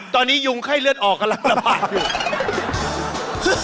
ตอนนี้ยุงไข้เลือดออกกำลังระบาดอยู่